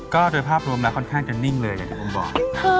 ก็โดยภาพรวมแล้วค่อนข้างจะนิ่งเลยอย่างที่ผมบอก